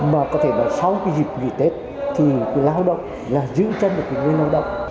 mà có thể nói sau cái dịch dịch tết thì lao động là giữ chân được người lao động